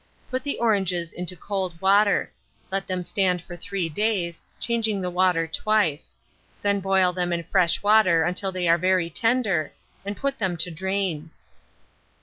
Put the oranges into cold water; let them stand for 3 days, changing the water twice; then boil them in fresh water till they are very tender, and put them to drain.